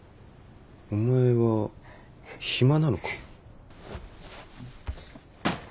お前は暇なのか？